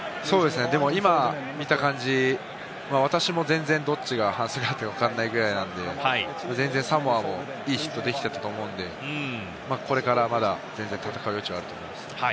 でも今見た感じ、私も全然どっちが反則だったか、わからないんで、サモアもいいヒットができていたと思うので、これからまだ全然戦う余地はあると思います。